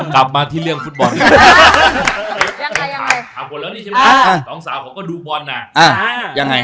กับมาที่เรื่องส่วนไทย